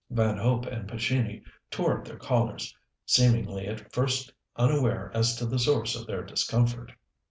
Van Hope and Pescini tore at their collars, seemingly at first unaware as to the source of their discomfort.